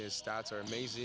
statsnya luar biasa